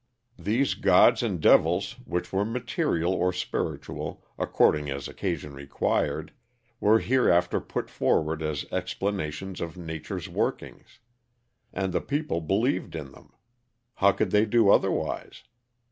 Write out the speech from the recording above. These gods and devils, which were material or spiritual, according as occasion required, were hereafter put forward as explanations of nature's workings. And the people believed in them. How could they do otherwise?